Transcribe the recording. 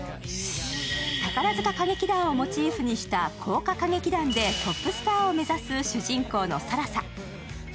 宝塚歌劇団をモチーフにした紅華歌劇団でトップスターを目指す主人公のさらさ。